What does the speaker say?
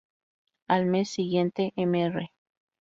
Al mes siguiente, Mr.